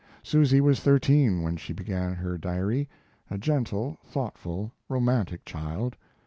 Susy was thirteen when she began her diary; a gentle, thoughtful, romantic child.